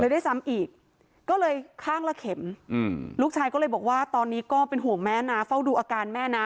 ด้วยซ้ำอีกก็เลยข้างละเข็มลูกชายก็เลยบอกว่าตอนนี้ก็เป็นห่วงแม่นะเฝ้าดูอาการแม่นะ